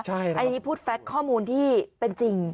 อันนี้พูดแฟคข้อมูลที่เป็นจริง